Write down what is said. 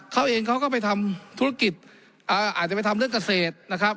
เขาเองเขาก็ไปทำธุรกิจอาจจะไปทำเรื่องเกษตรนะครับ